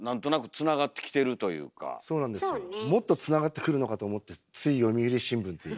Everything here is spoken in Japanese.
そうなんですよもっとつながってくるのかと思ってつい読売新聞って。